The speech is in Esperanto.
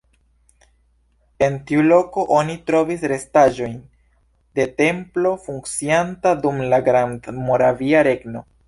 En tiu loko oni trovis restaĵojn de templo funkcianta dum la Grandmoravia Regno.